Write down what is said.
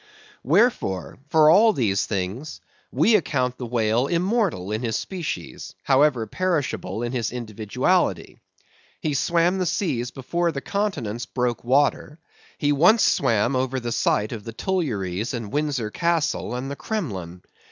Wherefore, for all these things, we account the whale immortal in his species, however perishable in his individuality. He swam the seas before the continents broke water; he once swam over the site of the Tuileries, and Windsor Castle, and the Kremlin.